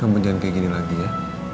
kamu jangan kayak gini lagi ya